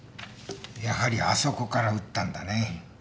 やはりあそこから撃ったんだね。